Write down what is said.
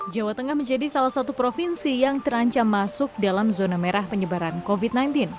jawa tengah menjadi salah satu provinsi yang terancam masuk dalam zona merah penyebaran covid sembilan belas